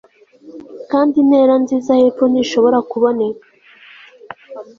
Kandi intera nziza hepfo ntishobora kuboneka